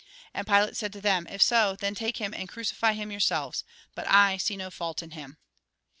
" And Pdate said to them :" If so, then take him and crucify him yourselves. But I see no fault in him."